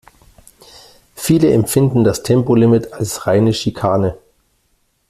Viele empfinden das Tempolimit als reine Schikane.